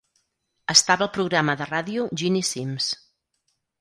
Estava al programa de ràdio Ginny Simms.